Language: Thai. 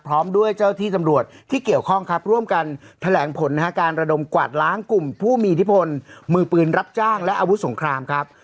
พร้อมด้วยเจ้าที่ตำรวจที่เกี่ยวข้องครับร่วมกันแถลงผลนะฮะการระดมกวาดล้างกลุ่มผู้มีอิทธิพลมือปืนรับจ้างและอาวุธสงครามครับ